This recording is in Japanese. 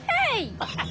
アハハハ！